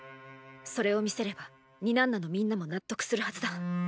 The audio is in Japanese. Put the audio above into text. それを見せればニナンナのみんなも納得するはずだ。